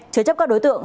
chứa chấp các đối tượng